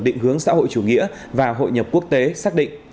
định hướng xã hội chủ nghĩa và hội nhập quốc tế xác định